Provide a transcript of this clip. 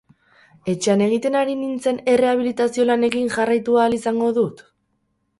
Etxean egiten ari nintzen errehabilitazio lanekin jarraitu ahal izango dut?